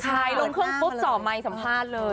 ใช่ลงเครื่องพุชสอบใหมงสัมภาษณ์เลย